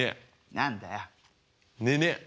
何だよ。